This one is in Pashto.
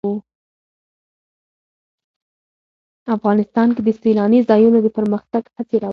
افغانستان کې د سیلاني ځایونو د پرمختګ هڅې روانې دي.